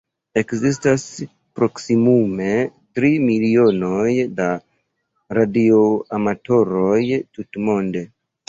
Ekzistas proksimume tri milionoj da radioamatoroj tutmonde.